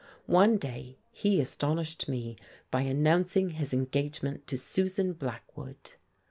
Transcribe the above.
One day he astonished me by announcing his engagement to Susan Blackwood.